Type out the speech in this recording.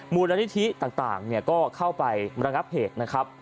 มูลนิธิต่างก็เข้าไประงับเหตุนะครับ